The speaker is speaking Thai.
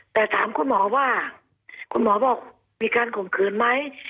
แต่ถามคุณหมอว่าคุณหมอบอกมีการข่มขืนไหม